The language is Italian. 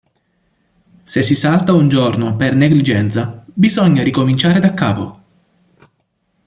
Se si salta un giorno per negligenza, bisogna ricominciare daccapo.